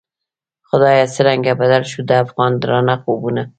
خدایه څرنګه بدل شوو، د افغان درانه خوبونه